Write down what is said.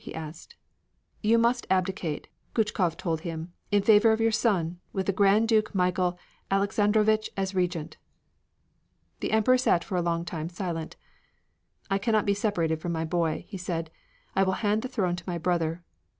he asked. "You must abdicate," Guchkov told him, "in favor of your son, with the Grand Duke Michael Alexandrovitch as Regent." The Emperor sat for a long time silent. "I cannot be separated from my boy," he said. "I will hand the throne to my brother."